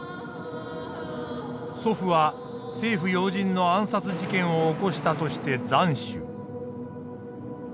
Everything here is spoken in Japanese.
祖父は政府要人の暗殺事件を起こしたとして斬首。